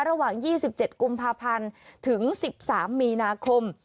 ระหว่าง๒๗กุมภาพันธ์ถึง๑๓มีนาคม